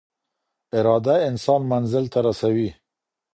اراده انسان منزل ته رسوي.